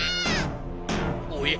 おや？